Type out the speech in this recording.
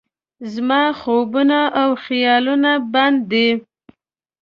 زما خوبونه او خیالونه بند دي